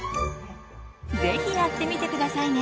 是非やってみて下さいね。